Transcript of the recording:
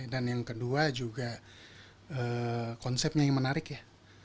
dan yang kedua juga konsepnya yang menarik ya